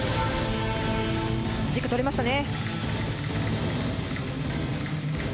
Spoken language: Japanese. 軸取りましたね。